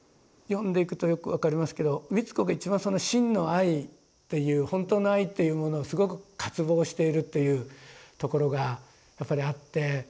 読んでいくとよく分かりますけど美津子が一番その真の愛っていう本当の愛というものをすごく渇望しているっていうところがやっぱりあって。